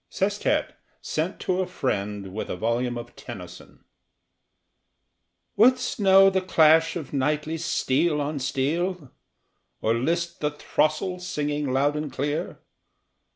SESTET SENT TO A FRIEND WITH A VOLUME OF TENNYSON Wouldst know the clash of knightly steel on steel? Or list the throstle singing loud and clear?